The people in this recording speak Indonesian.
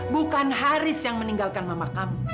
bukan haris yang meninggalkan mama kami